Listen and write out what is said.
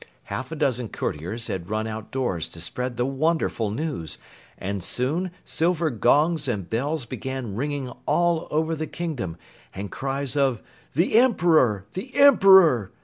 Half a dozen courtiers had run outdoors to spread the wonderful news, and soon silver gongs and bells began ringing all over the kingdom, and cries of "The Emperor! The Emperor!"